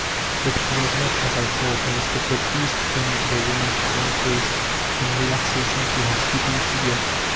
But it was not as I thought I expected ease to come into the woman's drawn face* and relaxation to her stooping figure.